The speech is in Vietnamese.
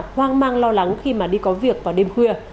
hoang mang lo lắng khi mà đi có việc vào đêm khuya